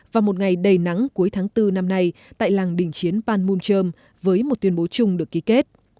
vào một ngày đầy nắng cuối tháng bốn năm nay tại làng đình chiến panmunjom với một tuyên bố chung được ký kết